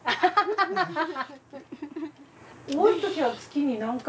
多いときは月に何回。